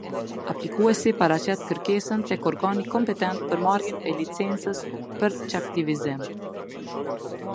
Aplikuesi paraqet kërkesën tek organi kompetent për marrjen e licencës për çaktivizim.